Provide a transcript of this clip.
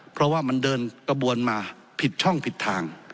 เพราะว่ามันเดินกระบวนมาผิดช่องผิดทาง